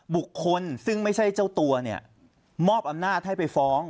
บุคคลซึ่งไม่ใช่เจ้าตัวเนี่ยมอบอำนาจให้ไปฟ้อง